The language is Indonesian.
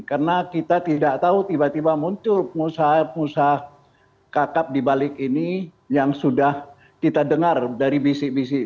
karena kita tidak tahu tiba tiba muncul pengusaha pengusaha kkp di balik ini yang sudah kita dengar dari bisik bisik